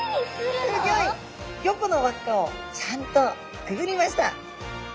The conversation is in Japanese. ５個の輪っかをちゃんとくぐりました。